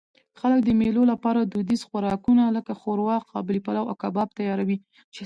خلک د مېلو له پاره دودیز خوراکونه؛ لکه ښوروا، قابلي پلو، او کباب تیاروي.